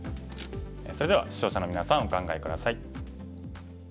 それでは視聴者のみなさんお考え下さい。